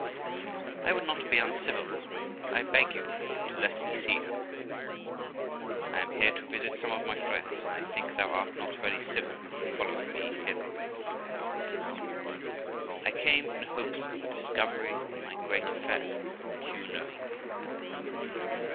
] Girl. I would not be uncivil; I beg you to let me see her. Qu. I am here to visit some of my friends, and I think thou art not very civil in following me hither. 384 THE LIFE OF ROXANA Girl. I came in hopes of a discovery in my great affair which you know of.